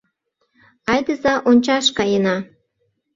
— Айдыза ончаш каена!